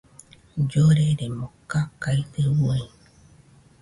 Lloreremo kakade uai.